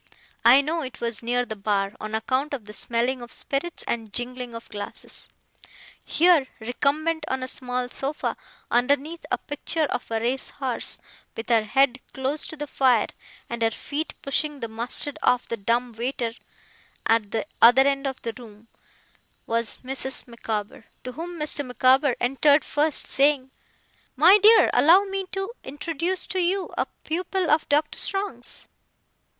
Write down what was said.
I know it was near the bar, on account of the smell of spirits and jingling of glasses. Here, recumbent on a small sofa, underneath a picture of a race horse, with her head close to the fire, and her feet pushing the mustard off the dumb waiter at the other end of the room, was Mrs. Micawber, to whom Mr. Micawber entered first, saying, 'My dear, allow me to introduce to you a pupil of Doctor Strong's.